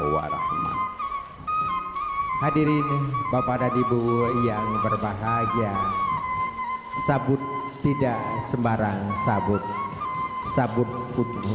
mawaddahu warahmat hadirin bapak dan ibu yang berbahagia sabut tidak sembarang sabut sabut putru